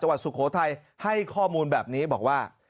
สุโขทัยให้ข้อมูลแบบนี้บอกว่า